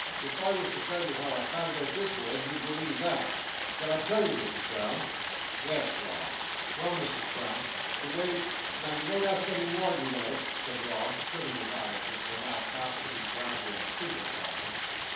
If I was to tell you how I found out this word, you'd believe that. Shall I tell you, Misses Brown?" "Yes, Rob." "Well then, Misses Brown. The way—now you won't ask any more, you know?" said Rob, turning his eyes, which were now fast getting drowsy and stupid, upon her.